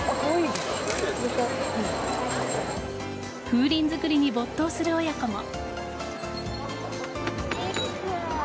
風鈴作りに没頭する親子も。